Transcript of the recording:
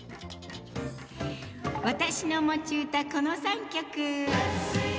私の持ち歌、この３曲。